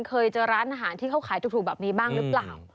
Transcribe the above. เคยเจอร้านอาหารที่เขาขายถูกแบบนี้บ้างหรือเปล่า